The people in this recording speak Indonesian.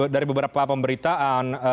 dari beberapa pemberitaan